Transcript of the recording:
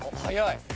早い。